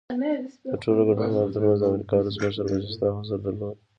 د ټولو ګډونوالو ترمنځ د امریکا ولسمشر برجسته حضور درلود